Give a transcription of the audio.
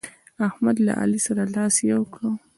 احمد له علي سره لاس يو کړ.